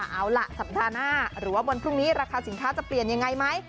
เอาล่ะสัปดาห์หน้าหรือว่าวันพรุ่งนี้ราคาสินค้าจะเปลี่ยนยังไงไหม